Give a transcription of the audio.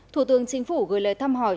thủ tướng chính phủ gửi lời thăm hỏi